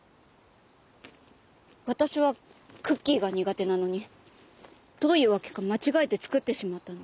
私はクッキーが苦手なのにどういう訳か間違えて作ってしまったの。